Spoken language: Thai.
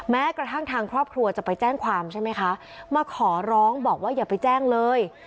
แม้กระทั่งทางครอบครัวจะไปแจ้งความใช่ไหมคะมาขอร้องบอกว่าอย่าไปแจ้งเลย